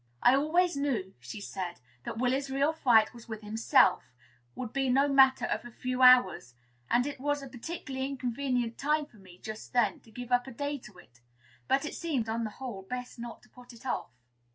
"I always knew," she said, "that Willy's first real fight with himself would be no matter of a few hours; and it was a particularly inconvenient time for me, just then, to give up a day to it. But it seemed, on the whole, best not to put it off."